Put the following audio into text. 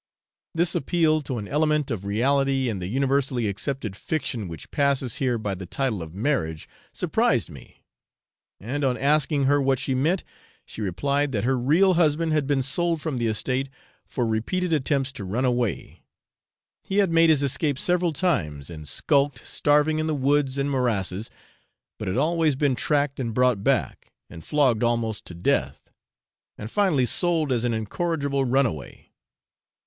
This appeal to an element of reality in the universally accepted fiction which passes here by the title of marriage surprised me; and on asking her what she meant, she replied that her real husband had been sold from the estate for repeated attempts to run away; he had made his escape several times, and skulked starving in the woods and morasses, but had always been tracked and brought back, and flogged almost to death, and finally sold as an incorrigible runaway.